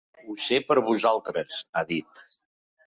Ho sé per vosaltres, ha dit.